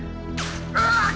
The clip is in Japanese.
うわっ！！